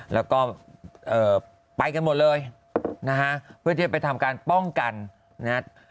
แล้วก็ไปกันหมดเลยนะฮะเพื่อที่จะไปทำการป้องกันนะฮะ